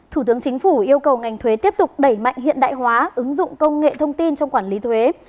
thủ tướng chính phủ yêu cầu ngành thuế tiếp tục đẩy mạnh hiện đại hóa ứng dụng công nghệ thông tin trong quản lý thuế